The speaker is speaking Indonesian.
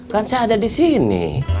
kan saya ada di sini